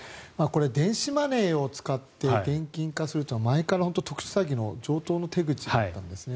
電子マネーを使って現金化するというのは前から本当に特殊詐欺の常とうの手口だったんですね。